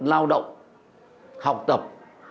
lao động học tập